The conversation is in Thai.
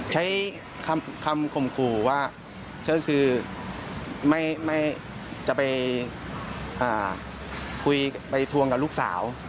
ใช้คำข่มขู่ว่าก็คือไม่จะไปคุยไปทวงกับลูกสาว